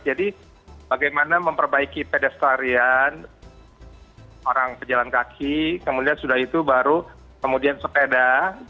jadi bagaimana memperbaiki pedestrian orang berjalan kaki kemudian sudah itu baru kemudian sepeda